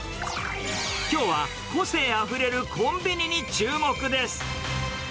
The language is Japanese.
きょうは個性あふれるコンビニに注目です。